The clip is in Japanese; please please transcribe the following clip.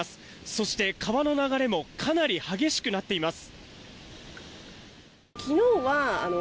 そして、川の流れもかなり激しくなっています。